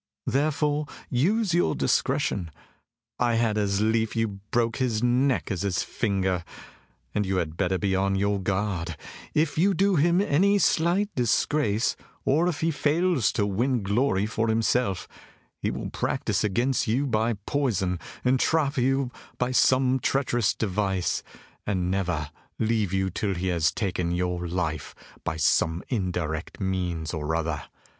Therefore use your discretion. I had as lief you broke his neck as his finger. And you had better be on your guard, for if you do him any slight disgrace, or if he fails to win glory for himself, he will practise against you by poison, entrap you by some treacherous device, and never leave you till he has taken your life by some indirect means or other.